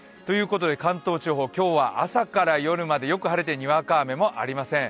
関東地方、今日は朝から夜までよく晴れてにわか雨もありません。